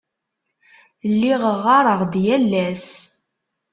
Lliɣ ɣɣareɣ-d yal ass.